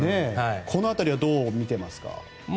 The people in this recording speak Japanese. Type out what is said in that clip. この辺りはどう見ていますか。